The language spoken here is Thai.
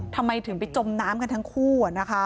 ทำไมถึงไปจมน้ำกันทั้งคู่